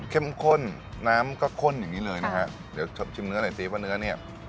ข้นน้ำก็ข้นอย่างนี้เลยนะฮะเดี๋ยวชิมเนื้อหน่อยสิว่าเนื้อเนี่ย